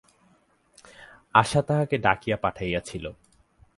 আশা তাহাকে ডাকিয়া পাঠাইয়াছিল।